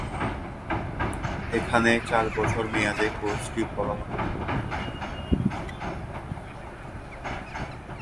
এখানে চার বছর মেয়াদে কোর্সটি পড়ানো হতো।